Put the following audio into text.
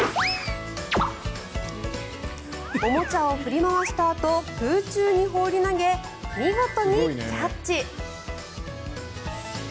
おもちゃを振り回したあと空中に放り投げ見事にキャッチ。